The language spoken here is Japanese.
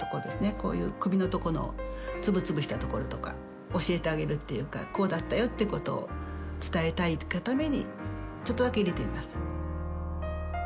こういう首の所の粒々した所とか教えてあげるっていうかこうだったよってことを伝えたいがためにちょっとだけ入れています。